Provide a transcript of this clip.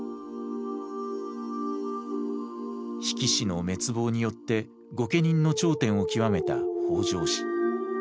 比企氏の滅亡によって御家人の頂点を極めた北条氏。